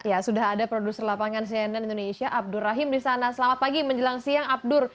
ya sudah ada produser lapangan cnn indonesia abdur rahim di sana selamat pagi menjelang siang abdur